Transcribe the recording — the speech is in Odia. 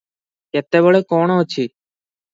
କେତେବେଳେ କଣ ଅଛି